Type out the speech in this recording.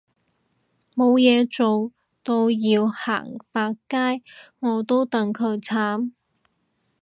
冇嘢做到要行百佳我都戥佢慘